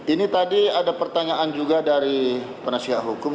ini tadi ada pertanyaan juga dari penasihat hukum